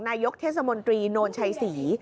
นายกเทศมนตรีโนนชัยศรี